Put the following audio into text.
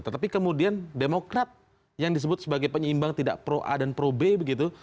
tetapi kemudian demokrat yang disebut sebagai penyeimbang tidak pro a dan pro b begitu